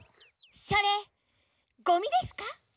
それゴミですか？